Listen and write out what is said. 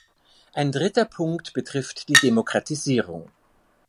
Ein dritter Punkt betrifft die Demokratisierung.